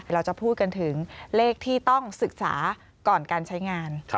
เราจะพูดกันถึงเลขที่ต้องศึกษาก่อนการใช้งาน